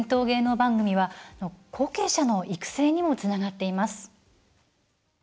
番組は後継者の育成にもつながっています。